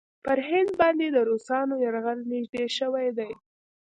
پر هند باندې د روسانو یرغل نېږدې شوی دی.